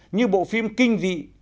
như bộ phim kinh dị